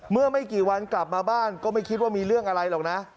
เมื่อไม่กี่วันกลับมาบ้านก็ไม่คิดว่ามีเรื่องอะไรหรอกนะ